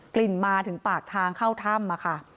กลิ่นมาถึงปากทางเข้าถ้ำค่ะ